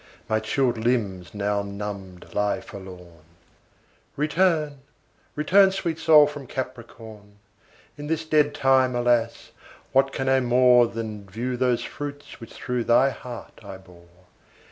My chilled limbs now numbed lie forlorn; Return; return, sweet Sol, from Capricorn; In this dead time, alas, what can I more Than view those fruits which through thy heart I bore?